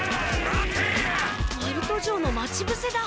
ナルト城の待ちぶせだ！